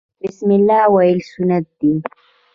بسم الله ویل سنت دي